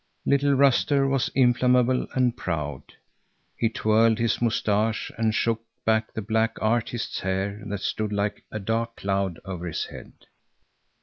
Little Ruster was inflammable and proud. He twirled his moustache and shook back the black artist's hair that stood like a dark cloud over his head.